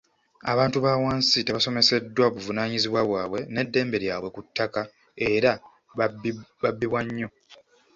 Abantu ba wansi tebasomeseddwa buvunaanyizibwa bwabwe n’eddembe lyabwe ku ttaka era babbibwa nnyo.